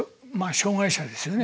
障害者ですよね